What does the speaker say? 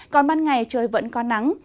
còn ban ngày trời vẫn có nắng